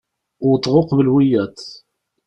Wwḍeɣ uqbel wiyaḍ.